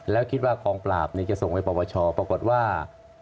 แล้วคิดว่ากองปราบนี่จะส่งไปประวัติศาสตร์ปรากฏว่า